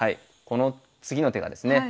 この次の手がですね